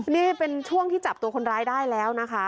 นี่เป็นช่วงที่จับตัวคนร้ายได้แล้วนะคะ